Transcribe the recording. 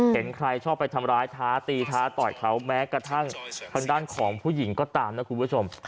เห็นใครชอบไปทำร้ายท้าตีท้าต่อยเขาแม้กระทั่งทางด้านของผู้หญิงก็ตามนะคุณผู้ชม